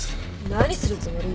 何するつもり？